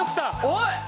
おい！